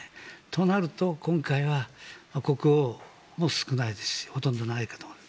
となると、今回は国王も少ないですしほとんどいないかと。